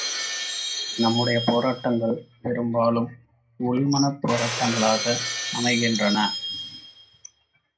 நம்முடைய போராட்டங்கள் பெரும்பாலும் உள் மனப் போராட்டங்களாக அமைகின்றன.